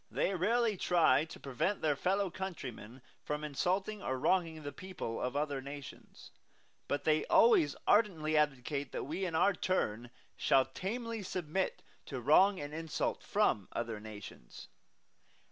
They rarely try to prevent their fellow countrymen from insulting or wronging the people of other nations; but they always ardently advocate that we, in our turn, shall tamely submit to wrong and insult from other nations.